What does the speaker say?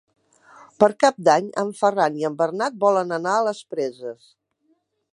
Per Cap d'Any en Ferran i en Bernat volen anar a les Preses.